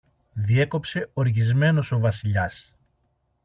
διέκοψε οργισμένος ο Βασιλιάς.